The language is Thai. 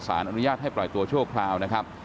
อนุญาตให้ปล่อยตัวชั่วคราวนะครับ